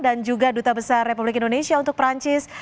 dan juga duta besar republik indonesia untuk prancis